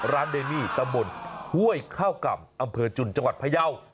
เดมี่ตำบลห้วยข้าวก่ำอำเภอจุนจังหวัดพยาว